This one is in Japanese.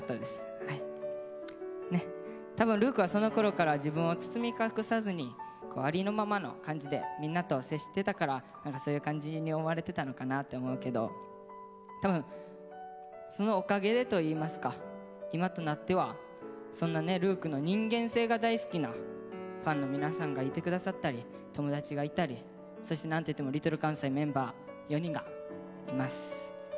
多分琉巧はそのころから自分を包み隠さずにありのままの感じでみんなと接してたから何かそういう感じに思われてたのかなって思うけど多分そのおかげでといいますか今となってはそんな琉巧の人間性が大好きなファンの皆さんがいて下さったり友達がいたりそして何といってもＬｉｌかんさいのメンバー４人がいます。